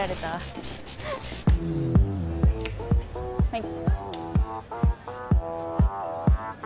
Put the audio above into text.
はい。